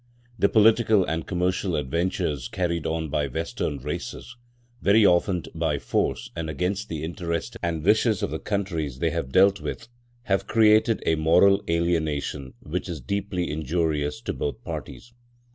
The political and commercial adventures carried on by Western races—very often by force and against the interest and wishes of the countries they have dealt with—have created a moral alienation, which is deeply injurious to both parties.